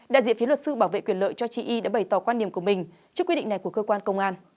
đại diện phía luật sư bảo vệ quyền lợi cho chị y đã bày tỏ quan điểm của mình trước quy định này của cơ quan công an